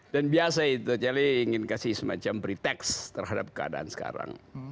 dan biasa itu cele ingin beri teks terhadap keadaan sekarang